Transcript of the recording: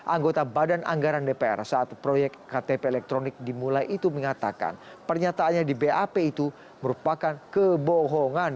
anggota badan anggaran dpr saat proyek ktp elektronik dimulai itu mengatakan pernyataannya di bap itu merupakan kebohongan